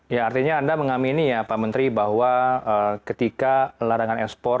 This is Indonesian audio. ya artinya anda mengamini ya pak menteri bahwa ketika larangan ekspor